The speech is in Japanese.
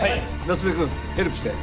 夏目くんヘルプして。